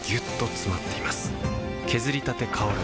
削りたて香る